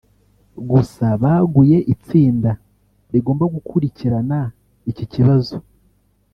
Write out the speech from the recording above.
gusa baguye itsinda rigomba gukurikirana iki kibazo